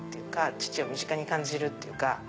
父を身近に感じるっていうか。